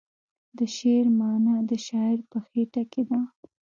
د شعر معنی د شاعر په خیټه کې ده .